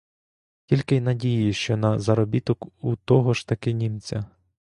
Тільки й надії, що на заробіток у того ж таки німця.